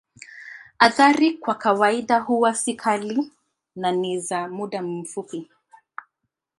Athari kwa kawaida huwa si kali na ni za muda mfupi.